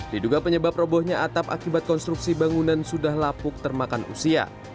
diduga penyebab robohnya atap akibat konstruksi bangunan sudah lapuk termakan usia